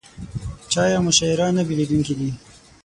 چای او مشاعره نه بېلېدونکي دي.